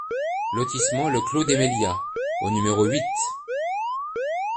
Lotissement Le Clos des Melias au numéro huit